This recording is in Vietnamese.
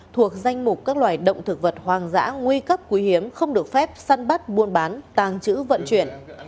thuộc danh mục các loài động thực vật hoang dã nguy cấp quý hiếm không được phép săn bắt buôn bán tàng trữ vận chuyển